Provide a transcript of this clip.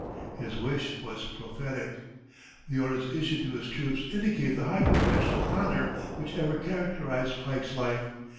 His wish was prophetic. The orders issued to his troops indicate the high professional honor which ever characterized Pike's life.